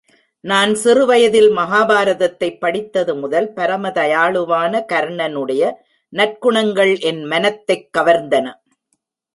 நான் சிறு வயதில் மகாபாரதத்தைப் படித்தது முதல், பரம தயாளுவான கர்ணனுடைய நற்குணங்கள் என் மனத்தைக் கவர்ந்தன.